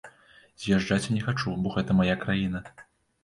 З'язджаць я не хачу, бо гэта мая краіна.